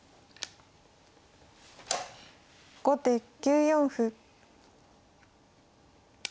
後手９四歩。